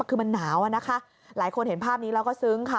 คือมันหนาวอะนะคะหลายคนเห็นภาพนี้แล้วก็ซึ้งค่ะ